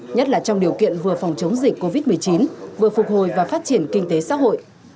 nhất là trong điều kiện vừa phòng chống dịch covid một mươi chín vừa phục hồi và phát triển kinh tế xã hội